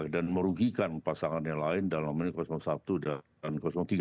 dan merugikan pasangan yang lain dalam hal ini satu dan tiga